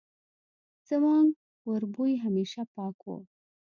زموږ وربوی همېشه پاک وو